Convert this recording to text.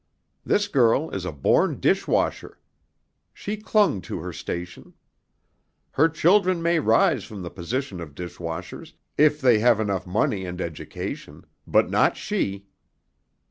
This girl is a born dish washer. She clung to her station. Her children may rise from the position of dish washers, if they have enough money and education, but not she."